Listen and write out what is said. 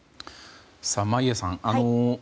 眞家さん。